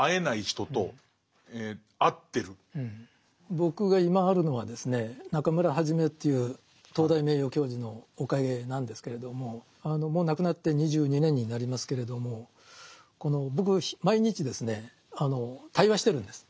僕が今あるのはですね中村元という東大名誉教授のおかげなんですけれどももう亡くなって２２年になりますけれどもこの僕毎日ですね対話してるんです。